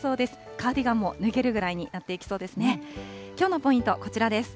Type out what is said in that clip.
カーディガンも脱げるぐらいになっていきそうですね。